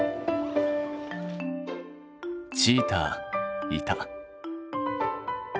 チーターいた。